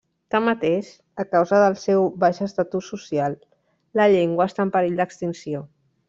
Tanmateix, a causa del seu baix estatus social la llengua està en perill d'extinció.